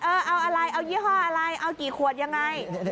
เอาอะไรเอายี่ห้ออะไรเอากี่ขวดยังไง